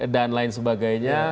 dan lain sebagainya